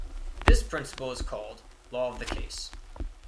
This principle is called law of the case.